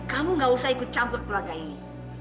kamu gak usah ikut campur keluarga ini